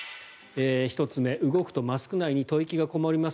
１つ目、動くとマスク内に吐息がこもります